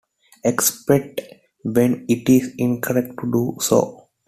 Except when it is incorrect to do so.